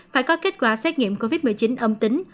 phải có kết quả xét nghiệm covid một mươi chín âm tính